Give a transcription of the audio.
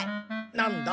なんだ？